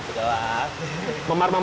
seperti mua setara